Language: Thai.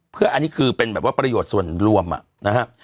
เพื่ออันนี้คือเป็นแบบว่าประโยชน์ส่วนรวมนะฮะ